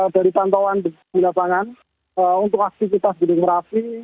dari pantauan penyelamatan untuk aktivitas gunung merapi